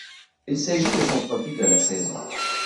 Il s'agit de son trophée de la saison.